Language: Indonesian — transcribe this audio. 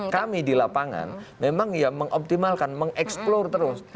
kami di lapangan memang ya mengoptimalkan mengeksplor terus